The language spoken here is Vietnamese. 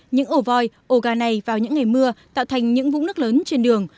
những ổ voi ổ gà này vào những ngày mưa tạo thành những vũng nước lớn trên đường